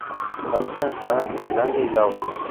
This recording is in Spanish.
Habita en Shan, Tailandia y Laos.